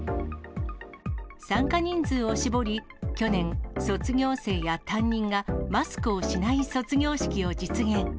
参加人数を絞り、去年、卒業生や担任がマスクをしない卒業式を実現。